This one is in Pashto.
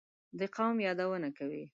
دې قوم یادونه کوي.